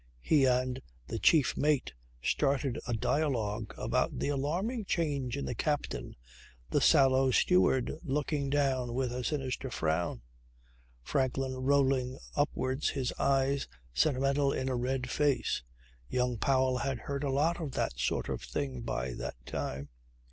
He and the chief mate started a dialogue about the alarming change in the captain, the sallow steward looking down with a sinister frown, Franklin rolling upwards his eyes, sentimental in a red face. Young Powell had heard a lot of that sort of thing by that time.